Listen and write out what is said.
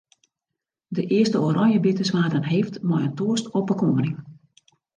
De earste oranjebitters waarden heefd mei in toast op 'e koaning.